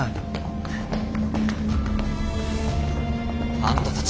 あんたたち